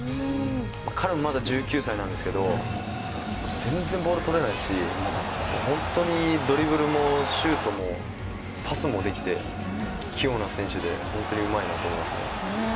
彼もまだ１９歳なんですけど全然ボールが取れないし本当にドリブルもシュートもパスもできて器用な選手で本当にうまいなと思います。